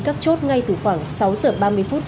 các chốt ngay từ khoảng sáu giờ ba mươi phút